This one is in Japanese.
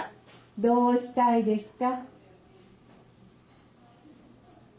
どうしたいですか？